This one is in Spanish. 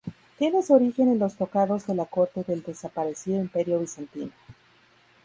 Tiene su origen en los tocados de la corte del desaparecido imperio bizantino.